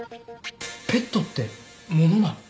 ペットって物なの？